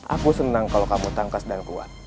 aku senang kalau kamu tangkas dan kuat